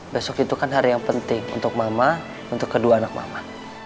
besok itu kan hari yang penting untuk mama untuk kedua anak mama